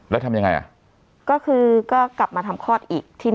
แล้วทำยังไงอ่ะก็คือก็กลับมาทำคลอดอีกที